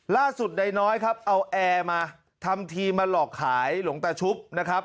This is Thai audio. ล่าสุดใดน้อยครับเอาแอร์มาทำทีมาหลอกขายหลวงตาชุบนะครับ